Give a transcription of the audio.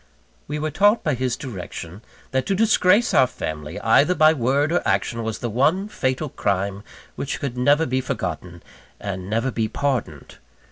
We were taught by his direction, that to disgrace our family, either by word or action, was the one fatal crime which could never be forgotten and never be pardoned.